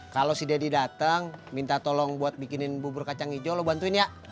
kalau si deddy datang minta tolong buat bikinin bubur kacang hijau lo bantuin ya